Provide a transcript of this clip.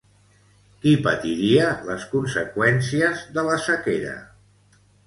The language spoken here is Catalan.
Qui patiria les conseqüències de la sequera?